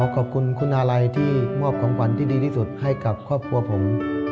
ขอบคุณคุณอาลัยที่มอบของขวัญที่ดีที่สุดให้กับครอบครัวผม